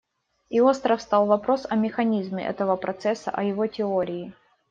И остро встал вопрос о механизме этого процесса, о его теории.